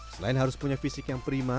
selain harus punya fisik yang prima